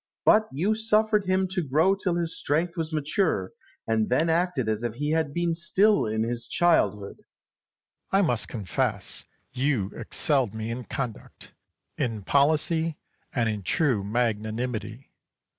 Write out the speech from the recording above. But you suffered him to grow till his strength was mature, and then acted as if he had been still in his childhood. Charles. I must confess you excelled me in conduct, in policy, and in true magnanimity.